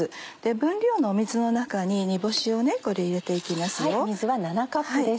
分量の水の中に煮干しを入れて行きます。